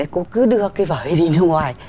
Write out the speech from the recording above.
cô ấy cứ đưa cái vở ấy đi nước ngoài